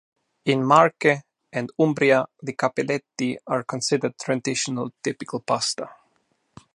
In Marche and Umbria the "cappelletti" are considered traditional typical pasta.